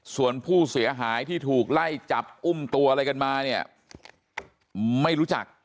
ส่วนผู้เสียหายที่ถูกไล่จับอุ้มตัวอะไรกันมาเนี่ยไม่รู้จัก